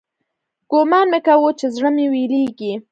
ګومان مې کاوه چې زړه مې ويلېږي.